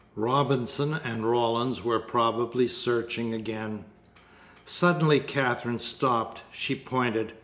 Robinson and Rawlins were probably searching again. Suddenly Katherine stopped. She pointed.